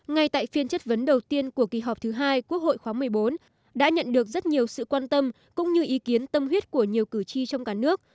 ngay tại phiên chất vấn đầu tiên của kỳ họp thứ hai quốc hội khóa một mươi bốn đã nhận được rất nhiều sự quan tâm cũng như ý kiến tâm huyết của nhiều cử tri trong cả nước